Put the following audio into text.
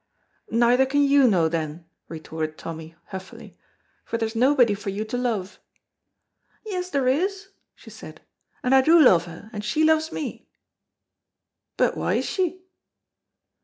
"Neither can you know, then," retorted Tommy, huffily, "for there's nobody for you to love." "Yes, there is," she said, "and I do love her and she loves me." "But wha is she?"